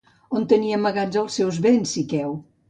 On tenia amagats els seus béns Siqueu?